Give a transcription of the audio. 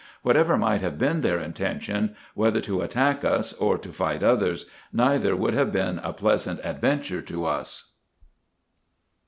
Whatever might have been their intention, whether to attack us, or to fight others, neither would have been a pleasant adventure to us.